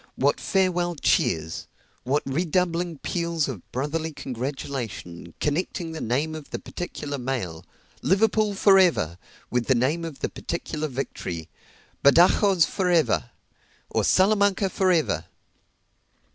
what farewell cheers what redoubling peals of brotherly congratulation, connecting the name of the particular mail "Liverpool for ever!" with the name of the particular victory "Badajoz for ever!" or "Salamanca for ever!"